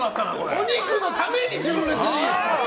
お肉のために純烈に。